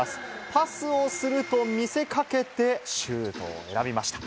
パスをすると見せかけて、シュートを選びました。